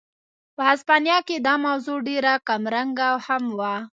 په هسپانیا کې دا موضوع ډېره کمرنګه هم وه.